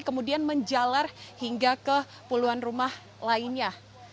kemudian menjalar hingga ke puluhan rumah lainnya